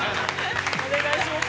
◆お願いします。